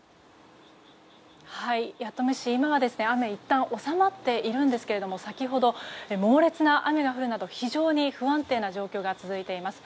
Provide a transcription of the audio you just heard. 弥富市、今は雨は収まっていますが先ほど、猛烈な雨が降るなど非常に不安定な状況が続いています。